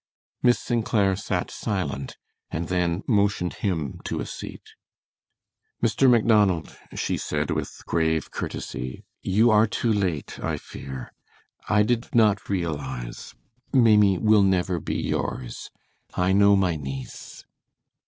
Miss St. Clair sat silent, and then motioned him to a seat. "Mr. Macdonald," she said, with grave courtesy, "you are too late, I fear. I did not realize Maimie will never be yours. I know my niece."